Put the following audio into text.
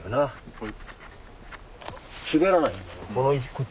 はい。